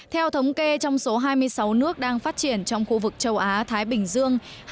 theo thống kê trong số hai mươi sáu nước đang phát triển trong khu vực châu á thái bình dương